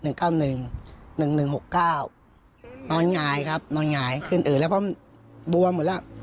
นอนหงายครับนอนหงายขึ้นอืดแล้วเพราะมันบัวหมดแล้ว